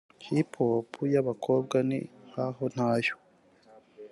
hip hop y’abakobwa ni nkaho ntayo